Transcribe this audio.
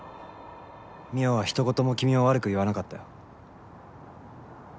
望緒はひと言も君を悪く言わなかったよ。